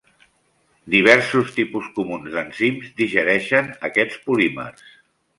Diversos tipus comuns d'enzims digereixen aquests polímers.